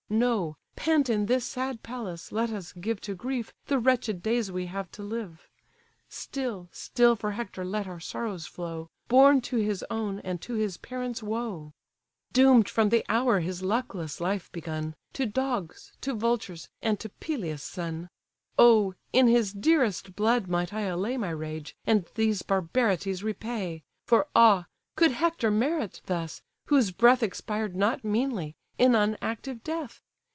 No—pent in this sad palace, let us give To grief the wretched days we have to live. Still, still for Hector let our sorrows flow, Born to his own, and to his parents' woe! Doom'd from the hour his luckless life begun, To dogs, to vultures, and to Peleus' son! Oh! in his dearest blood might I allay My rage, and these barbarities repay! For ah! could Hector merit thus, whose breath Expired not meanly, in unactive death?